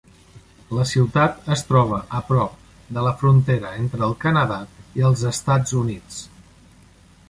La ciutat es troba a prop de la frontera entre el Canadà i els Estats Units.